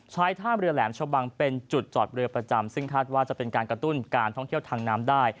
ท่ามเรือแหลมชะบังเป็นจุดจอดเรือประจำซึ่งคาดว่าจะเป็นการกระตุ้นการท่องเที่ยวทางน้ำได้